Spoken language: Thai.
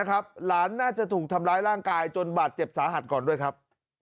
หลานน่าจะถูกทำร้ายร่างกายจนบาดเจ็บสาหัสก่อนด้วยครับ